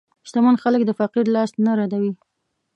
شتمن خلک د فقیر لاس نه ردوي.